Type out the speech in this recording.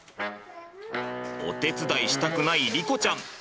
お手伝いしたくない莉子ちゃん。